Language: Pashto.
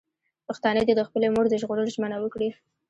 پښتانه دې د خپلې مور د ژغورلو ژمنه وکړي.